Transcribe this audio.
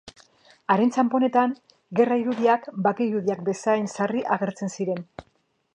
Haren txanponetan gerra irudiak bake irudiak bezain sarri agertzen ziren.